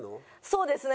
そうですね。